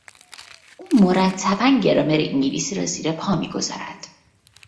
او مرتبا گرامر انگلیسی را زیرپا میگذارد.